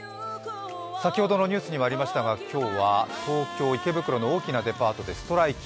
先ほどのニュースにもありましたが今日は東京・池袋の大きなデパートでストライキ。